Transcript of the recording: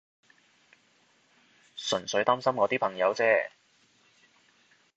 純粹擔心我啲朋友啫